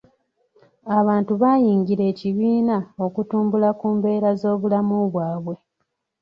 Abantu baayingira ekibiina okutumbula ku mbeera z'obulamu bwabwe.